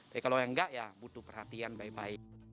tapi kalau yang enggak ya butuh perhatian baik baik